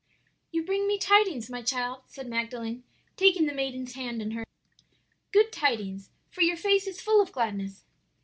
"'You bring me tidings, my child,' said Magdalen, taking the maiden's hand in hers, 'good tidings, for your face is full of gladness!'